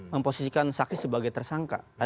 memposisikan saksi sebagai tersangka